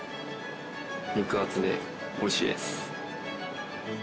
肉厚でおいしいです。